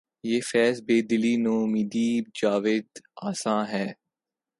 بہ فیض بیدلی نومیدیٴ جاوید آساں ہے